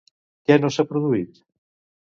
Què no s'ha produït?